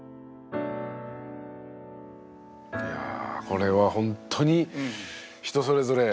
いやこれはほんとに人それぞれ。